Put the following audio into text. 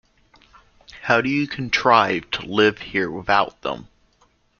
How do you contrive to live here without them?